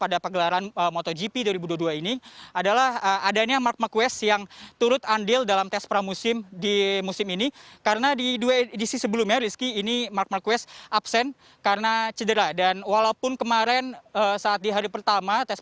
dan di hari kedua